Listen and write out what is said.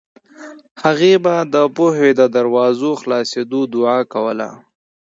هغې به د پوهې د دروازو خلاصېدو دعا کوله